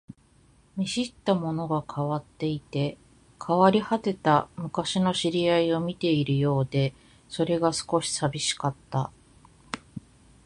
見知ったものが変わっていて、変わり果てた昔の知り合いを見ているようで、それが少し寂しかった